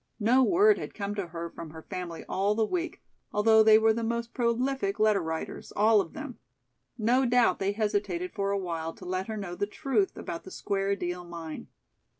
No word had come to her from her family all the week, although they were the most prolific letter writers, all of them. No doubt they hesitated for a while to let her know the truth about the Square Deal Mine.